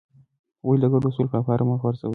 ولې د ګډو اصولو له پامه مه غورځوې؟